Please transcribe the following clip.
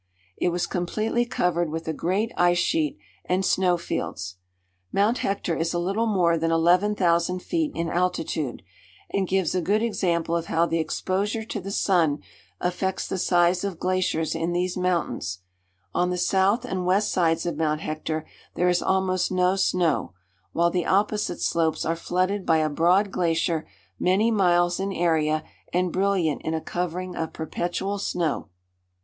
It was completely covered with a great ice sheet and snow fields. Mount Hector is a little more than 11,000 feet in altitude, and gives a good example of how the exposure to the sun affects the size of glaciers in these mountains. On the south and west sides of Mount Hector there is almost no snow, while the opposite slopes are flooded by a broad glacier many miles in area, and brilliant in a covering of perpetual snow.